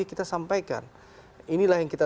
kita sampaikan inilah yang kita